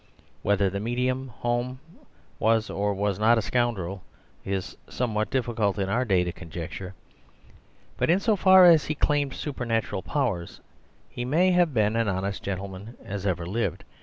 Whether the medium Home was or was not a scoundrel it is somewhat difficult in our day to conjecture. But in so far as he claimed supernatural powers, he may have been as honest a gentleman as ever lived.